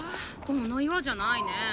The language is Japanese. このいわじゃないね。